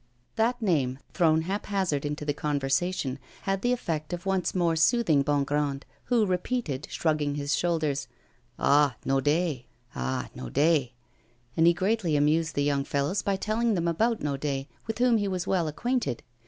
That name, thrown haphazard into the conversation, had the effect of once more soothing Bongrand, who repeated, shrugging his shoulders: 'Ah! Naudet ah! Naudet.' And he greatly amused the young fellows by telling them about Naudet, with whom he was well acquainted.